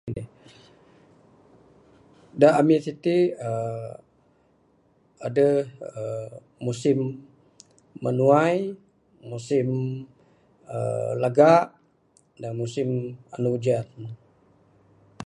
Da ami siti uhh adeh uhh musim menuai, musim uhh lagak musim anu ujan